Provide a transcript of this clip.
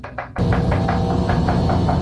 他以维多利亚女王的名字为之命名。